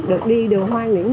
được đi đường hoa nguyễn huệ